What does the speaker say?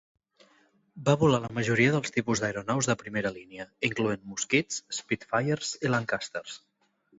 Va volar la majoria dels tipus d'aeronaus de primera línia, incloent Mosquits, Spitfires i Lancasters.